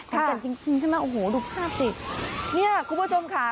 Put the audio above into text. แก่นจริงจริงใช่ไหมโอ้โหดูภาพสิเนี่ยคุณผู้ชมค่ะ